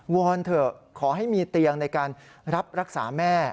อนเถอะขอให้มีเตียงในการรับรักษาแม่